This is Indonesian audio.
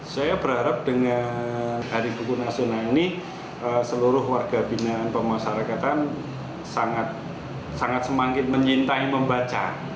saya berharap dengan hari buku nasional ini seluruh warga binaan pemasarakatan sangat semangat menyintai membaca